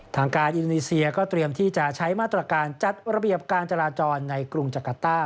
ทางการอินโดนีเซียก็เตรียมที่จะใช้มาตรการจัดระเบียบการจราจรในกรุงจักรต้า